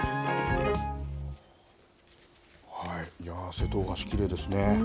瀬戸大橋、きれいですね。